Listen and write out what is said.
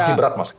situasi berat mas